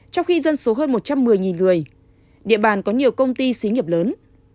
trong khi dân số hơn một trăm một mươi người địa bàn có nhiều công ty xí nghiệp lớn